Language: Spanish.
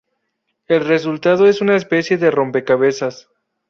El resultado es una especie de 'rompecabezas'.